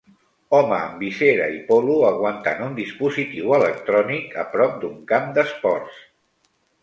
Home amb visera i polo aguantant un dispositiu electrònic a prop d'un camp d'esports